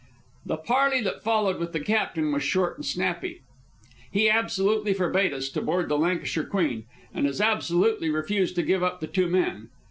The parley that followed with the captain was short and snappy. He absolutely forbade us to board the Lancashire Queen, and as absolutely refused to give up the two men.